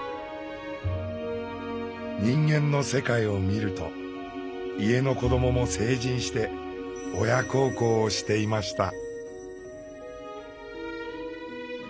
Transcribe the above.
「人間の世界」を見ると家の子どもも成人して親孝行をしていました。